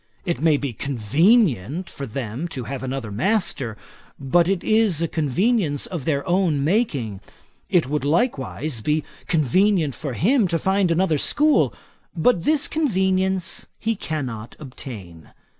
It may be convenient for them to have another master; but it is a convenience of their own making. It would be likewise convenient for him to find another school; but this convenience he cannot obtain.